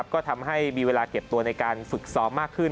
ก็ทำให้มีเวลาเก็บตัวในการฝึกซ้อมมากขึ้น